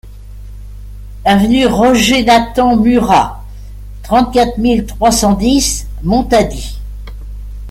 Avenue Roger Nathan Murat, trente-quatre mille trois cent dix Montady